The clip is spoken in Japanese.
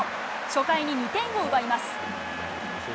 初回に２点を奪います。